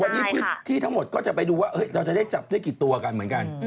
วันนี้พื้นที่ทั้งหมดก็จะไปดูว่าเราจะได้จับได้กี่ตัวกันเหมือนกัน